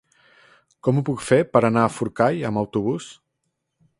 Com ho puc fer per anar a Forcall amb autobús?